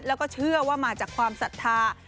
แล้วก็เชื่อว่ามาจากความศรัทธา